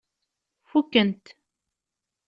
Fuken-t.